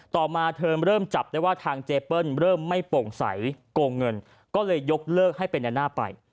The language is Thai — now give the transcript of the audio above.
ต่อมาเธอเริ่มจับได้ว่าทางเจเปิ้ลเริ่มไม่โปร่งใสโกงเงินก็เลยยกเลิกให้เป็นแนน่าไป